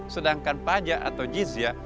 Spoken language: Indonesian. sedangkan pajak atau jizya